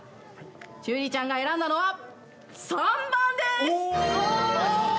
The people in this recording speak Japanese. ちゅーりーちゃんが選んだのは３番です！